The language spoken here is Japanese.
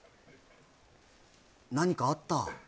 何かあった？